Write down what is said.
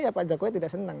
ya pak jokowi tidak senang